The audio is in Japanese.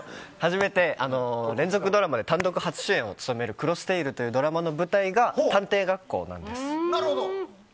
初めて連続ドラマで単独初主演を務める「クロステイル」というドラマの舞台が探偵学校なんです。